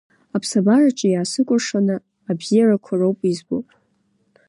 Аԥсабараҿы иаасыкәыршаны абзиарақәа роуп избо.